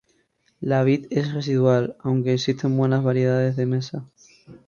La vid es residual, aunque existen buenas variedades de mesa.